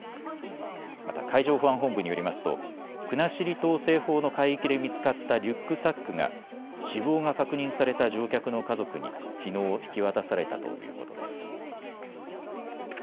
また海上保安本部によりますと国後島西方の海域で見つかったリュックサックが死亡が確認された乗客の家族にきのう引き渡されたということです。